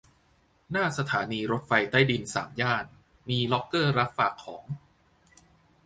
หน้าสถานีรถไฟใต้ดินสามย่าน มีล็อกเกอร์รับฝากของ